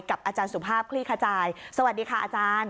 อาจารย์สุภาพคลี่ขจายสวัสดีค่ะอาจารย์